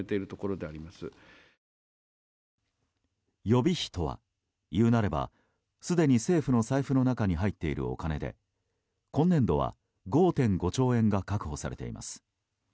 予備費とは、いうなればすでに政府の財布の中に入っているお金で今年度は５．５兆円が確保されています。